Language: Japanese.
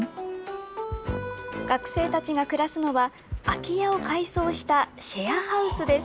学生たちが暮らすのは、空き家を改装したシェアハウスです。